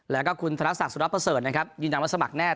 แล้วก็คุณธนศักดิ์สุรประเสริฐนะครับยืนยันว่าสมัครแน่